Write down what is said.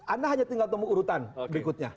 anda hanya tinggal temu urutan berikutnya